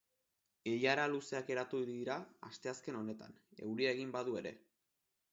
Ilara luzeak eratu dira asteazken honetan, euria egin badu ere.